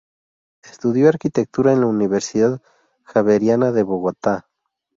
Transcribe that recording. Estudió arquitectura en la Universidad Javeriana de Bogotá.